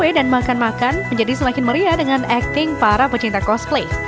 mereka mengambil kue dan makan makan menjadi semakin meriah dengan akting para pecinta cosplay